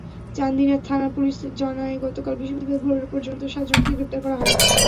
চান্দিনা থানার পুলিশ জানায়, গতকাল বৃহস্পতিবার ভোর পর্যন্ত সাতজনকে গ্রেপ্তার করা হয়।